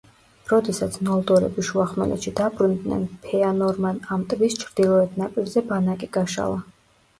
როდესაც ნოლდორები შუახმელეთში დაბრუნდნენ, ფეანორმა ამ ტბის ჩრდილოეთ ნაპირზე ბანაკი გაშალა.